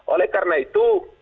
oleh karena itu